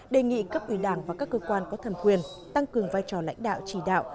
đề nghị cấp ủy đảng và các cơ quan có thẩm quyền tăng cường vai trò lãnh đạo chỉ đạo